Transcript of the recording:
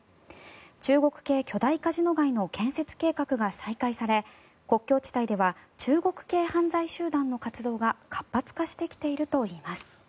中国系巨大カジノ街の建設計画が再開され国境地帯では中国系犯罪集団の活動が活発化してきているといいます。